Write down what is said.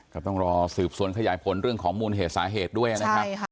ก็ต้องรอสืบสวนขยายผลเรื่องของมูลเหตุสาเหตุด้วยนะครับ